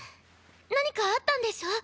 何かあったんでしょ？